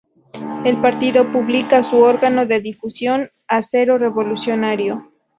El partido publica su órgano de difusión "Acero Revolucionario".